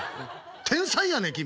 天才やね君。